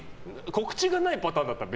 告知がないパターンだったら